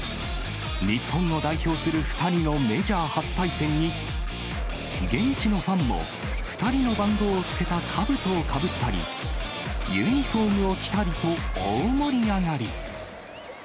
日本を代表する２人のメジャー初対戦に、現地のファンも２人の番号をつけたかぶとをかぶったり、ユニホームを着たりと、大盛り上がり。